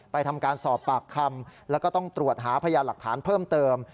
ทำการสอบปากคำแล้วก็ต้องตรวจหาพยานหลักฐานเพิ่มเติม